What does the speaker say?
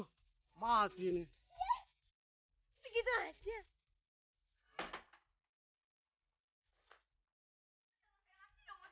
dimana pun juga kan aku masih istri kamu tau gak